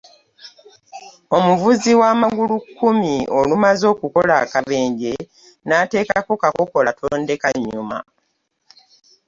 Omuvuzi wa magulukkumi olumaze okukola akabenje n'ateekako kakokola tondeka nnyuma.